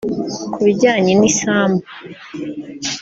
Ku bijyanye n’isambu